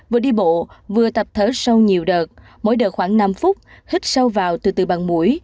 vừa đi bộ vừa tập thở sau nhiều đợt mỗi đợt khoảng năm phút hít sâu vào từ bằng mũi